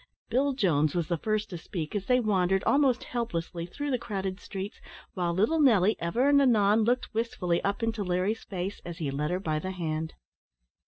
Bill Jones was the first to speak, as they wandered, almost helplessly, through the crowded streets, while little Nelly ever and anon looked wistfully up into Larry's face, as he led her by the hand.